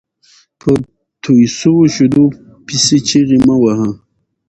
په توى سوو شېدو پيسي چیغي مه وهه!